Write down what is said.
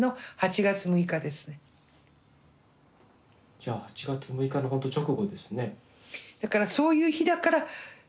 じゃあ８月６日のほんと直後ですね。